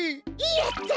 やった！